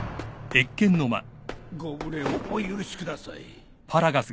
ご無礼をお許しください。